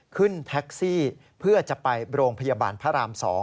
ขึ้นแท็กซี่เพื่อจะไปโรงพยาบาลพระราม๒